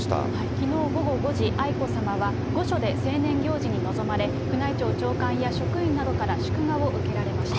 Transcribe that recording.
きのう午後５時、愛子さまは御所で成年行事に臨まれ、宮内庁長官や職員などから祝賀を受けられました。